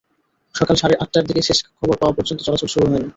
সকাল সাড়ে আটটার দিকে শেষ খবর পাওয়া পর্যন্ত চলাচল শুরু হয়নি।